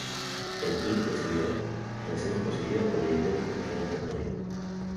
El clip recibió reseñas positivas por editores de diferentes medios.